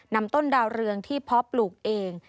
นำต้นดาวเรืองที่เพาะปลูกเอง